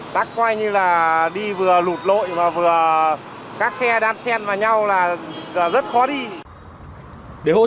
tắc coi như là đi vừa lụt lội mà vừa các xe đan sen vào nhau là rất khó đi